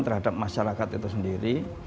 terhadap masyarakat itu sendiri